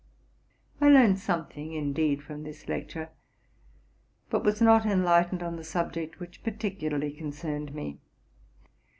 '' I learned something, indeed, from this lecture, but was not enlightened on the subject which particularly con cerned me.